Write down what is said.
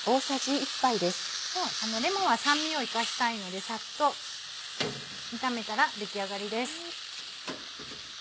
レモンは酸味を生かしたいのでサッと炒めたら出来上がりです。